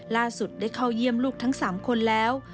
ได้เข้าเยี่ยมลูกทั้ง๓คนแล้ว